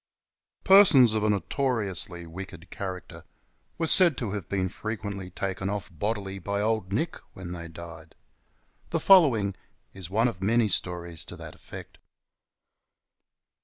EESONS of a notoriously wicked character were said to have been frequently taken off bodily by Old Nick when they died. The following is one of many stories to that effect.